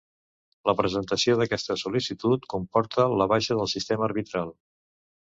La presentació d'aquesta sol·licitud comporta la baixa del sistema arbitral.